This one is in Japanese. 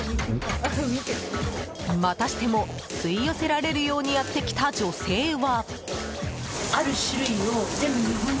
またしても吸い寄せられるようにやってきた女性は。